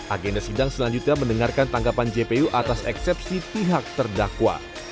agenda sidang selanjutnya mendengarkan tanggapan jpu atas eksepsi pihak terdakwa